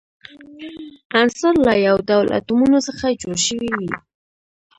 عنصر له یو ډول اتومونو څخه جوړ شوی وي.